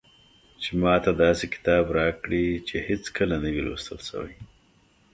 چې ماته داسې کتاب راکړي چې هېڅکله نه وي لوستل شوی.